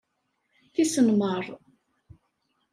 Tisnemmar!